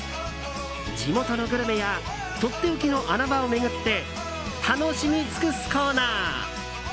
地元のグルメやとっておきの穴場を巡って楽しみつくすコーナー。